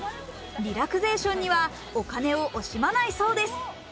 リラクゼーションには、お金を惜しまないそうです。